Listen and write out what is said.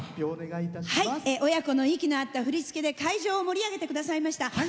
親子の息の合った振り付けで会場を盛り上げてくださいました